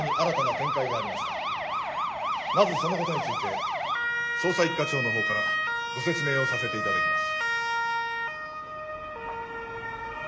まずそのことについて捜査一課長のほうからご説明をさせて頂きます。